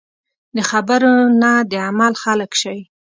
د خبرو نه د عمل خلک شئ .